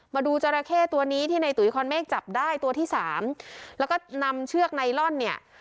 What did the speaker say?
มาดูจราเข้ตัวนี้ที่ในตุ๋ยคอนเมฆจับได้ตัวที่สามแล้วก็นำเชือกไนลอนเนี่ย